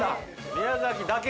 ◆宮崎だけ？